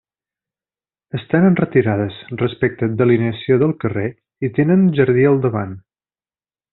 Estan enretirades respecte d'alineació del carrer i tenen jardí al davant.